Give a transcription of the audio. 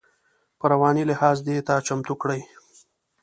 په رواني لحاظ دې ته چمتو کړي.